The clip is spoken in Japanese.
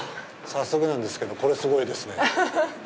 早速なんですけど、これ、すごいですね！